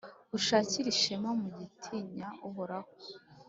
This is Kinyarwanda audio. ushakire ishema mu gutinya Uhoraho